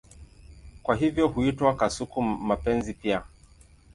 Kwa hivyo huitwa kasuku-mapenzi pia.